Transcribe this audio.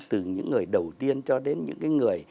từ những người đầu tiên cho đến những người